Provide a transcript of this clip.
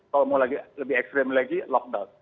kalau mau lagi lebih ekstrim lagi lockdown